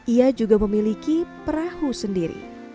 ia juga memiliki perahu sendiri